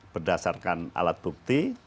berdasarkan alat bukti